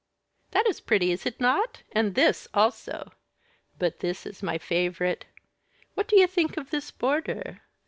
"That is pretty, is it not and this also? but this is my favorite. What do you think of this border?